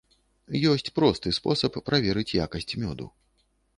Ёсць просты спосаб праверыць якасць мёду.